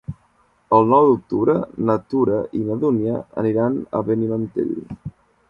El nou d'octubre na Tura i na Dúnia aniran a Benimantell.